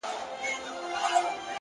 ما ستا په شربتي سونډو خمار مات کړی دی،